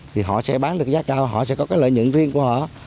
thì họ sẽ bán được giá cao họ sẽ có cái lợi nhuận riêng của họ